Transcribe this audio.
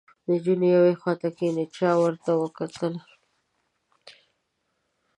نجونې یوې خواته کېناستې، چا ور ونه کتل